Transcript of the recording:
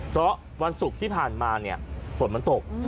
เพราะวันศุกร์ที่ผ่านมาเนี่ยฝนมันตก